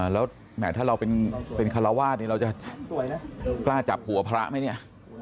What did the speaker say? แล้วแหมถ้าเราเป็นคาราวาสนี่เราจะกล้าจับหัวพระไหมเนี่ย